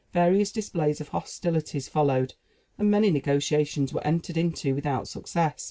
Various displays of hostilities followed, and many negotiations were entered into without success.